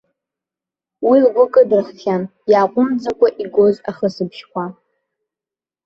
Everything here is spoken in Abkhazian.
Уи лгәы кыдырххьан иааҟәымҵӡакәа игоз ахысыбжьқәа.